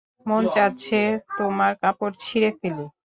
মন চাচ্ছে তোমার কাপড় ছিঁড়ে ফেলি!